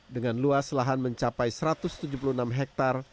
dengan luas lahan mencapai satu ratus tujuh puluh enam hektare